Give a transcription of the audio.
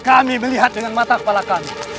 ambil variascon sampai datang